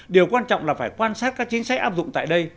điều quan trọng là phải quan sát các chính sách áp dụng tại đây